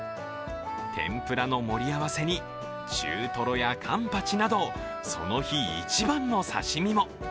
天ぷらの盛り合わせに中とろやカンパチなど、その日一番の刺身も。